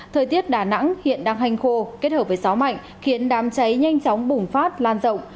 thời tiết đà nẵng hiện đang hành khô kết hợp với gió mạnh khiến đám cháy nhanh chóng bùng phát lan rộng